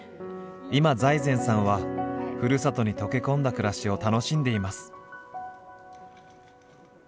今財前さんはふるさとに溶け込んだ暮らしを楽しんでいます。